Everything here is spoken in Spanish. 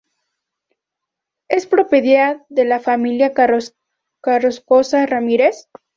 Es propiedad de la familia Carrascosa-Ramirez.